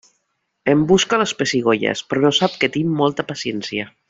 Em busca les pessigolles, però no sap que tinc molta paciència.